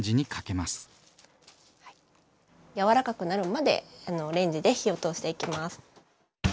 やわらかくなるまでレンジで火を通していきます。